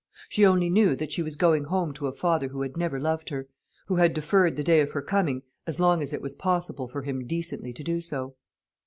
She only knew that she was going home to a father who had never loved her, who had deferred the day of her coming as long as it was possible for him decently to do so.